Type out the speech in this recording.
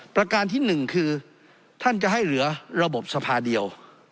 ประการที่หนึ่งคือท่านจะให้เหลือระบบสภาเดียว